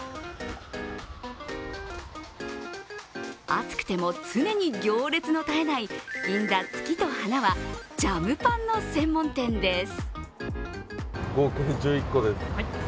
暑くても常に行列の絶えない銀座月と花はジャムパンの専門店です。